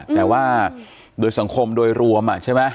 แต่ว่าโดยสังคมโดยรวมใช่ไหม